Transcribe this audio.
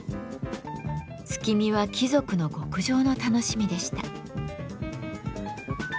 月見は貴族の極上の楽しみでした。